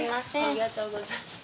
ありがとうございます